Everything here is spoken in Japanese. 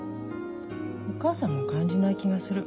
お母さんも感じない気がする。